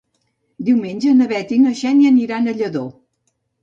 Diumenge na Bet i na Xènia aniran a Lladó.